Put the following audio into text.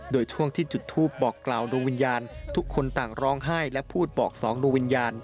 โดยช่วงที่จุดทูปบอกกล่าวดวงวิญญาณทุกคนต่างร้องไห้และพูดบอกสองดวงวิญญาณ